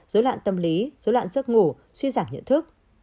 dối loạn tâm lý dối loạn giấc ngủ suy giảm nhận thức